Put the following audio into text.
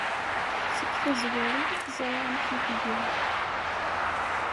seg tazwara i teẓra amek i tga.